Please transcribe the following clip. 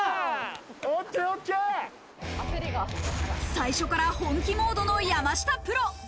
最初から本気モードの山下プロ。